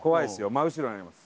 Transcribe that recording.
真後ろにあります